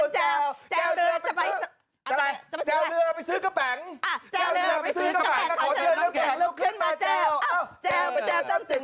แจวเรือไปซื้อกะแบง